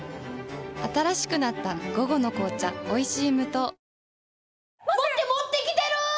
新しくなった「午後の紅茶おいしい無糖」